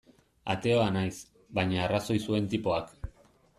Ateoa naiz, baina arrazoi zuen tipoak.